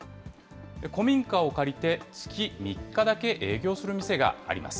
古民家を借りて、月３日だけ営業する店があります。